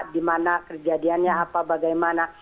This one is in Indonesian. di mana kejadiannya apa bagaimana